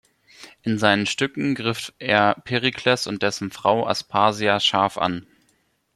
In seinen Stücken griff er Perikles und dessen Frau Aspasia scharf an.